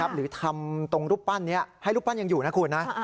หรือทำตรงรูปปั้นนี้ให้รูปปั้นยังอยู่นะคุณนะ